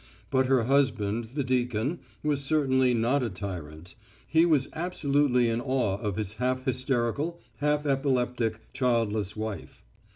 But her husband, the deacon, was certainly not a tyrant. He was absolutely in awe of his half hysterical, half epileptic, childless wife.